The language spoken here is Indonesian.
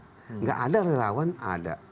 tidak ada relawan ada